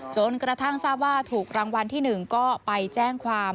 จนกระทั่งทราบว่าถูกรางวัลที่๑ก็ไปแจ้งความ